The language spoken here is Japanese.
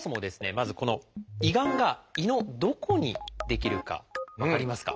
まずこの胃がんが胃のどこに出来るか分かりますか？